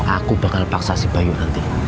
aku bakal paksa si bayi nanti